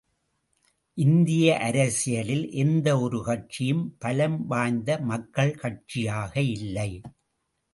இந்திய அரசியலில் எந்த ஒரு கட்சியும் பலம் வாய்ந்த மக்கள் கட்சியாக இல்லை.